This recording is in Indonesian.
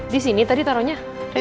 di sini tadi taruhnya